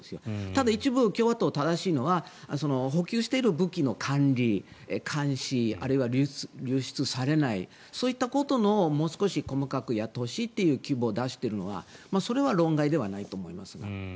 ただ、一部、共和党が正しいのは補給している武器の管理監視、あるいは流出されないそういったことをもう少し細かくやってほしいという希望を出しているのはそれは論外ではないと思います。